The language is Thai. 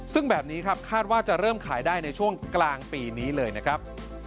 ซึ่งแบบนี้ครับคาดว่าจะเริ่มขายได้ในช่วงกลางปีนี้เลยนะครับ